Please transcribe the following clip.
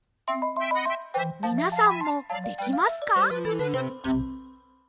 みなさんもできますか？